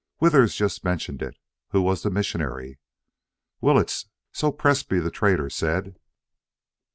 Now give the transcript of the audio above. "Withers just mentioned it. Who was the missionary?" "Willetts, so Presbrey, the trader, said."